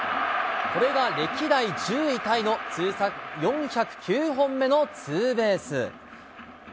これが歴代１０位タイの通算４０９本目のツーベース。